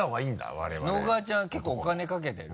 我々直川ちゃん結構お金かけてる？